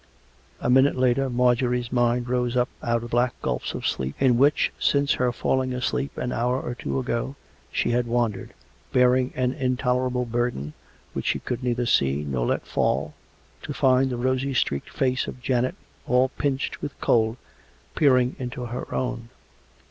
... A minute later Marjorie's mind rose up out of black gulfs of sleep, in which, since her falling asleep an hour or "two ago, she had wandered, bearing an intoler able burden, which she could neither see nor let fall, to find the rosy streaked face of Janet, all pinched with cold, peering into her own.